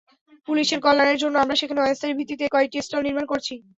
পুলিশের কল্যাণের জন্য আমরা সেখানে অস্থায়ী ভিত্তিতে কয়েকটি স্টল নির্মাণ করছি।